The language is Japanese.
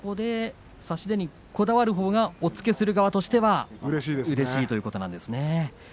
差し手でこだわるほうが押っつけする側としてはうれしいということなんですね。